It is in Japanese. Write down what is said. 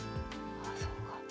あそうか。